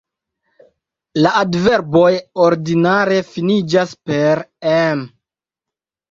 La adverboj ordinare finiĝas per -em.